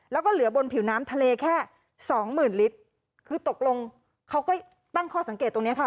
แล้วก็เหลือบนผิวน้ำทะเลแค่สองหมื่นลิตรคือตกลงเขาก็ตั้งข้อสังเกตตรงเนี้ยค่ะ